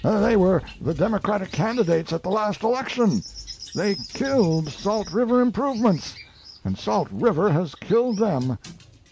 "They were the Democratic candidates at the last election. They killed Salt River improvements, and Salt River has killed them.